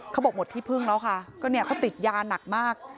เขาบอกหมดที่พึ่งแล้วค่ะก็เนี่ยเขาติดยาหนักมาก